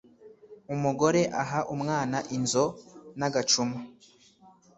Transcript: Umugore aha umwana inzo nagacuma